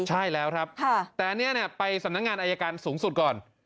ใช่แล้วครับแต่อันนี้ไปสำนักงานอายการสูงสุดก่อน